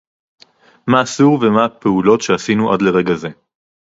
מה אסור ומה הפעולות שעשינו עד לרגע זה